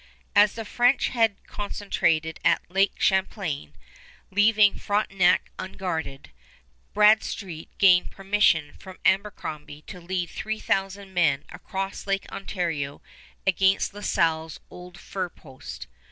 As the French had concentrated at Lake Champlain, leaving Frontenac unguarded, Bradstreet gained permission from Abercrombie to lead three thousand men across Lake Ontario against La Salle's old fur post.